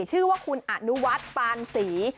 ชื่อว่าคุณอนุวัฒน์ปานศรี